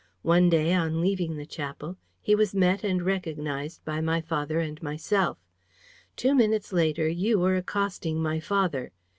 One day, on leaving the chapel, he was met and recognized by my father and myself. Two minutes later, you were accosting my father.